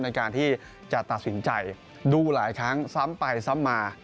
ในการที่จะตัดสินใจดูหลายครั้งซ้ำไปซ้ำมา